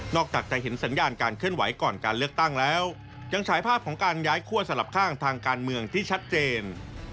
อกจากจะเห็นสัญญาณการเคลื่อนไหวก่อนการเลือกตั้งแล้วยังฉายภาพของการย้ายคั่วสลับข้างทางการเมืองที่ชัดเจน